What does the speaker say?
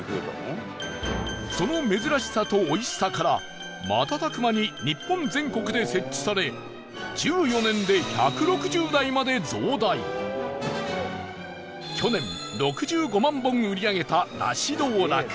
その珍しさとおいしさから瞬く間に日本全国で設置され１４年で１６０台まで増大去年、６５万本売り上げただし道楽